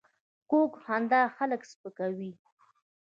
کوږه خندا خلک سپکوي